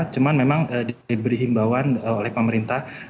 cuma memang diberi himbawan oleh pemerintah